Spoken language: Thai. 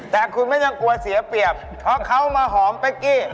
แต่คุณไม่ต้องกลัวเสียเปรียบเพราะเขามาหอมเป๊กกี้